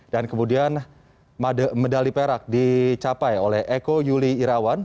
dan kemudian medali perak dicapai oleh eko yuli irawan